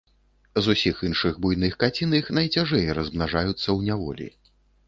З усіх іншых буйных каціных найцяжэй размнажаюцца ў няволі.